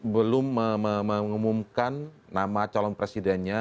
belum mengumumkan nama calon presidennya